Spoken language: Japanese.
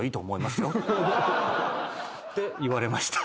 て言われました。